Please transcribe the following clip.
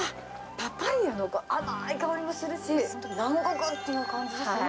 パパイアの甘い香りもするし、南国っていう感じですね。